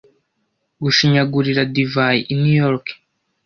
Gushinyagurira divayi i New York.